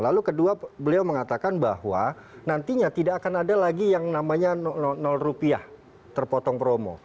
lalu kedua beliau mengatakan bahwa nantinya tidak akan ada lagi yang namanya rupiah terpotong promo